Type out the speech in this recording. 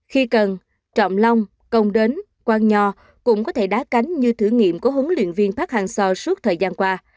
khi cần trọng lông công đến quang nhò cũng có thể đá cánh như thử nghiệm của huấn luyện viên phát hàng xo suốt thời gian qua